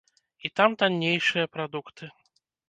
І там таннейшыя прадукты.